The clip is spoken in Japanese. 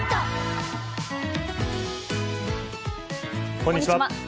こんにちは。